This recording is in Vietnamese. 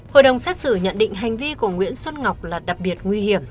hội đồng xét xử nhận định hành vi của nguyễn xuân ngọc là đặc biệt nguy hiểm